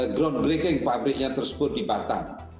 groundbreaking pabriknya tersebut di batam